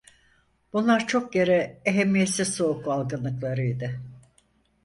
Bunlar çok kere ehemmiyetsiz soğuk algınlıklarıydı.